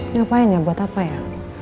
ngapain ya buat apa ya